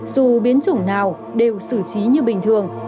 dù biến chủng nào đều xử trí như bình thường